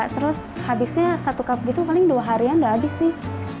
terus habisnya satu cup gitu paling dua harian nggak habis sih